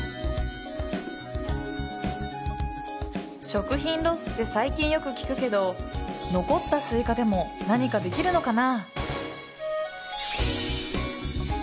食品ロスって最近よく聞くけど残ったスイカでも何かできるのかな？